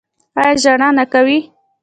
ایا ژړا نه کوي؟